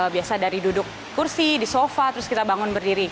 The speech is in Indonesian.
biasa dari duduk kursi di sofa terus kita bangun berdiri